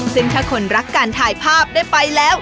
ซึ่งถ้าคนรักการถ่ายภาพได้ไปแล้ว